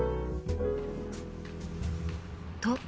［と